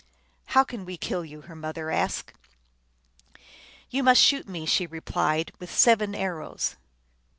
" How can we kill you ?" her mother asked. "You must shoot at me," she replied, " with seven arrows.